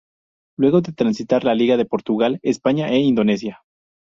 Luego de transitar la liga de Portugal, España e Indonesia.